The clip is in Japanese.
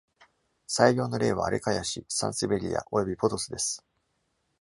最良の例は、「アレカヤシ」、「サンセベリア」、および「ポトス」です。